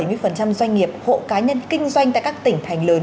ít nhất bảy mươi doanh nghiệp hộ cá nhân kinh doanh tại các tỉnh thành lớn